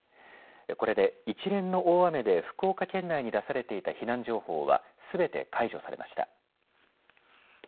これで一連の大雨で福岡県内に出されていた避難情報はすべて解除されました。